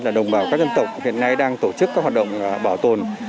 là đồng bào các dân tộc hiện nay đang tổ chức các hoạt động bảo tồn